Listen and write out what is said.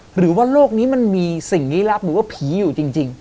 หรือว่าโลกนี้มันมีสิ่งลี้ลับหรือว่าผีอยู่จริง